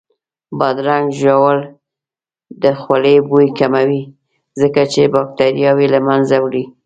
بادرنګ ژوول د خولې بوی کموي ځکه چې باکتریاوې له منځه وړي